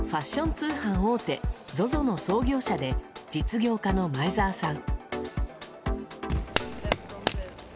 通販大手ＺＯＺＯの創業者で実業家の前澤さん。